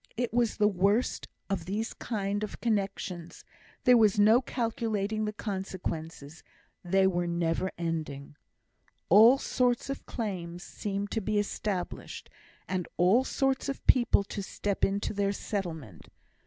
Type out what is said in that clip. It was the worst of these kind of connexions, there was no calculating the consequences; they were never ending. All sorts of claims seemed to be established, and all sorts of people to step in to their settlement.